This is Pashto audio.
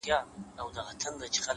صبر د ستونزو په موسم کې ځواک دی,